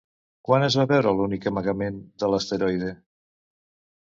Quan es va veure l'únic amagament de l'asteroide?